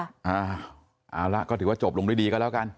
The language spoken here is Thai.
เอาละก็ถือว่าจบลงด้วยดีก็แล้วกัน